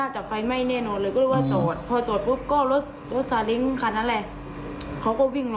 เดี๋ยวเดี๋ยวคุณพ่านไปหาใคร